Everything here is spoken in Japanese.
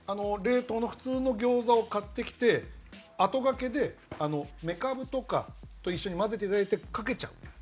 冷凍の普通の餃子を買ってきてあとがけでめかぶとかと一緒に混ぜて頂いてかけちゃう。